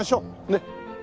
ねっ。